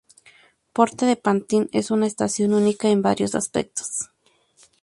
Porte de Pantin es una estación única en varios aspectos.